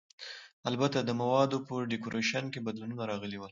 البته د موادو په ډیکورېشن کې بدلونونه راغلي ول.